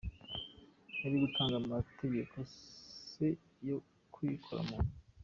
Yari gutanga amategeko se yo kwikora mu nda?